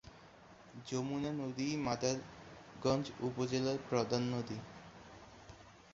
যমুনা নদীই মাদারগঞ্জ উপজেলার প্রধান নদী।